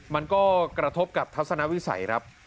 มันก็กระทบกับทัศนวิสัยครับ